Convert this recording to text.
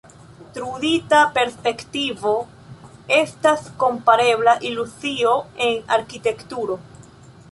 Trudita perspektivo estas komparebla iluzio en arkitekturo.